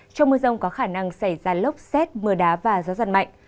trong mưa rông có khả năng xảy ra lốc xét mưa đá và gió giật mạnh